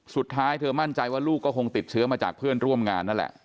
สุดท้ายเธอมั่นใจว่าลูกก็คงติดเชื้อมาจากเพื่อนร่วมงานนั่นแหละ